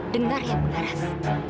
dengar ya bu laras